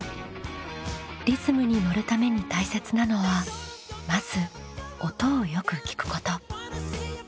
リズムにのるために大切なのはまず音をよく聞くこと。